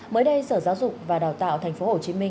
mới đây sở giáo dục và đào tạo tp hcm